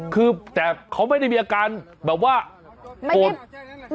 คือแต่เขาไม่ได้มีอาการแบบว่าโกรธ